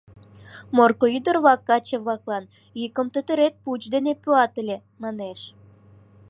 «Морко ӱдыр-влак каче-влаклан — йӱкым тӧтырет пуч дене пуат ыле», — манеш.